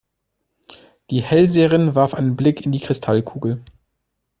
Die Hellseherin warf einen Blick in die Kristallkugel.